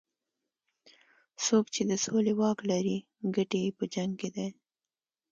څوک چې د سولې واک لري ګټې یې په جنګ کې دي.